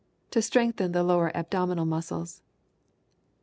_To strengthen the lower abdominal muscles.